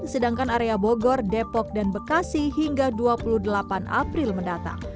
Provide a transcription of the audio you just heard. sedangkan area bogor depok dan bekasi hingga dua puluh delapan april mendatang